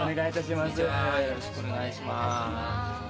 よろしくお願いします。